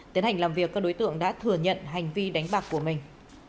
tiến hành làm việc các đối tượng đã thừa nhận hành vi đánh bạc của mình